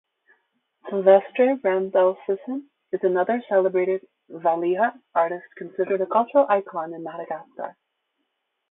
Sylvestre Randafison is another celebrated valiha artist considered a cultural icon in Madagascar.